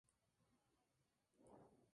Entrenador: Xavier de la Rosa